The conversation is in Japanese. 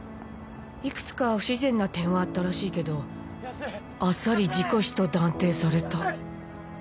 いくつか不自然な点はあったらしいけどあっさり事故死と断定された。